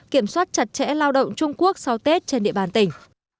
kiểm soát chặt chẽ lao động trung quốc sau tết trên địa bàn tỉnh